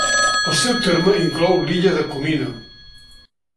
El seu terme inclou l'illa de Comino.